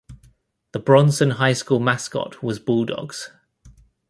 The Bronson high school mascot was Bulldogs.